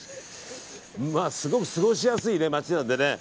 すごく過ごしやすい街なのでね。